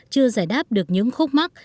chưa giải đáp được những khúc mắc